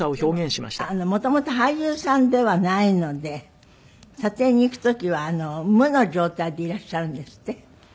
でも元々俳優さんではないので撮影に行く時は無の状態でいらっしゃるんですって？